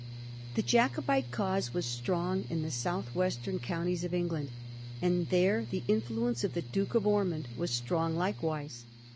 The Jacobite cause was strong ia the south western coimties of England, and there the influence of the Duke of Ormond was strong^ likewise.